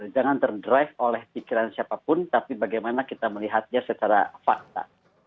jangan terdrive oleh pikiran siapapun tapi bagaimana kita melihatnya secara fakta